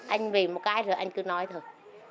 anh về một cái rồi anh cứ nói thôi